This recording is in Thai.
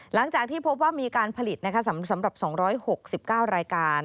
หลังจากที่พบว่ามีการผลิตสำหรับ๒๖๙รายการ